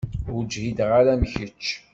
Ur ǧhideɣ ara am kečč.